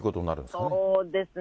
そうですね。